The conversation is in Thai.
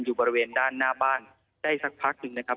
อยู่บริเวณด้านหน้าบ้านได้สักพักหนึ่งนะครับ